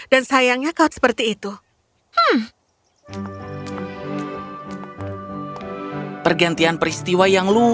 dan sayangnya kau seperti itu